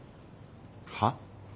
はっ？